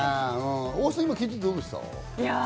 大橋さん、今、聞いててどうでした？